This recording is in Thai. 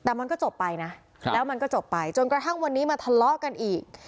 แต่มันก็จบไปนะแล้วมันก็จบไปจนกระทั่งวันนี้มาทะเลาะกันอีก